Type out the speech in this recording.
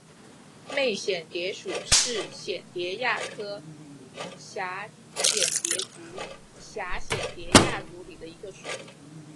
媚蚬蝶属是蚬蝶亚科蛱蚬蝶族蛱蚬蝶亚族里的一个属。